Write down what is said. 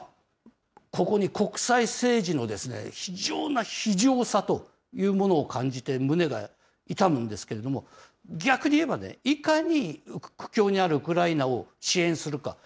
ここに国際政治の非常な非情さというものを感じて胸が痛むんですけれども、逆にいえば、いかに苦境にあるウクライナを支援するか。